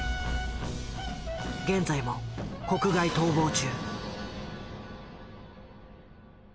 現在も国外逃亡中。